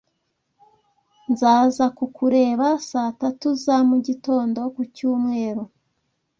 Nzaza kukureba saa tatu za mugitondo. ku cyumweru.